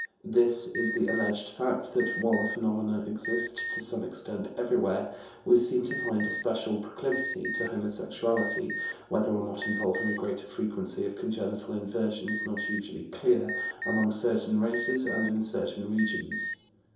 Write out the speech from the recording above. This is the alleged fact that, while the phenomena exist to some extent everywhere, we seem to find a special proclivity to homosexuality (whether or not involving a greater frequency of congenital inversion is not usually clear) among certain races and in certain regions.